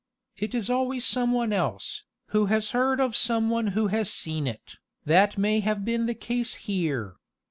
It is always some one else, who has heard of some one who has seen it. That may have been the case here.